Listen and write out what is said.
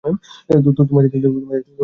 তোমায় দেখে তোমার বাবার কথা মনে পড়ছে।